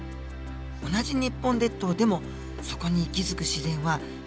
同じ日本列島でもそこに息づく自然は随分違っていました。